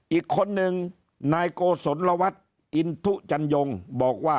อีกคนนึงนายโกศลวัฒน์อินทุจันยงบอกว่า